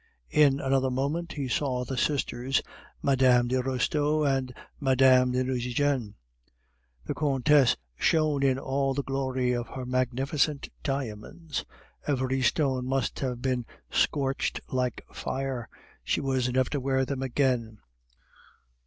In another moment he saw the sisters, Mme. de Restaud and Mme. de Nucingen. The Countess shone in all the glory of her magnificent diamonds; every stone must have scorched like fire, she was never to wear them again.